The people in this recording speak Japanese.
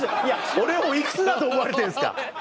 俺いくつだと思われてんですか。